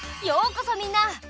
ようこそみんな！